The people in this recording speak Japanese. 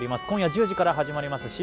今夜１０時から始まります